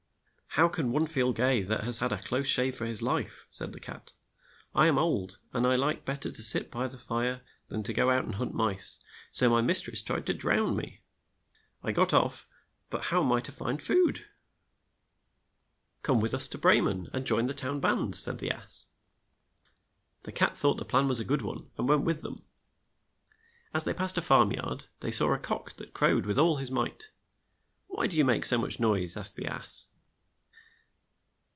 "How can one feel gay that has had a close shave for his life?" said the cat. "I am old, and I like bet ter to sit by the fire than to go out and hunt mice, so my mis tress tried to drown me. I got off, but how am I to find food?" THE TOWN MUSICIANS OF BREMEN 55 "Come with us to Bre men, and join the town band," said the ass. The cat thought the plan a good one, and went with them. As they passed a farm yard, they saw a cock that crowed with all his might. "Why do you make so much noise ?'' asked the ass.